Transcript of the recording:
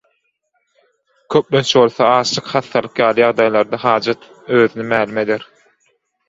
Köplenç bolsa açlyk, hassalyk ýaly ýagdaýlarda hajat özüni mälim eder.